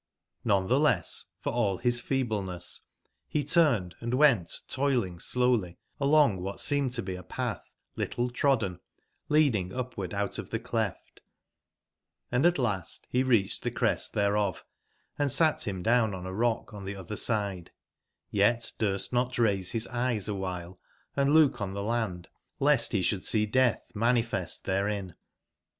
JVone tbe less, for all bis feebleness, be turned and went toiling slowly along wbat seemed to be a patb little trodden leading upward out of tbe cleft; and at last be reacbed tbe crest tbereof , and sat bim down on a rock on tbe otber side; yet durst not raise bis eyes awbile and look on tbc land, lest be sbould seedeatb 111 manifest tbcrcin.